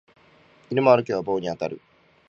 犬も歩けば棒に当たる